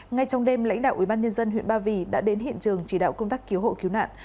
ngay trong đêm lãnh đạo ubnd huyện ba vì đã đến hiện trường chỉ đạo công tác cứu hộ cứu nạn